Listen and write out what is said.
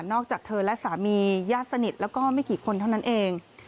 จากเธอและสามีญาติสนิทแล้วก็ไม่กี่คนเท่านั้นเอง